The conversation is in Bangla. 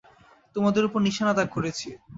তোমাদের ওপর নিশানা তাক করেছি।